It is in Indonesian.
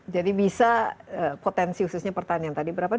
jadi bisa potensi khususnya pertanian tadi berapa